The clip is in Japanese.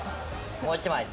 もう一枚。